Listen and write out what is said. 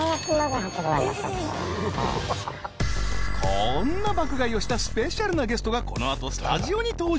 ［こんな爆買いをしたスペシャルなゲストがこの後スタジオに登場］